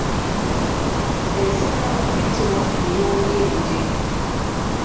Esobola okuyitibwa ey'obuyenje.